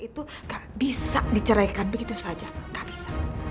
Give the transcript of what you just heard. itu gak bisa diceraikan begitu saja gak bisa